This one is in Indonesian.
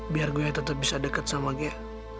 biar saya tetap bisa dekat dengan dia